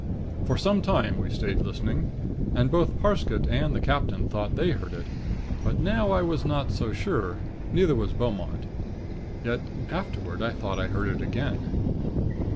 For some time we stayed listening, and both Parsket and the Captain thought they heard it; but now I was not so sure, neither was Beaumont. Yet afterward, I thought I heard it again.